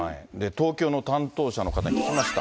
東京の担当者の方に聞きました。